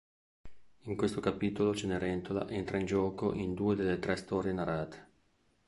In questo capitolo Cenerentola entra in gioco in due delle tre storie narrate.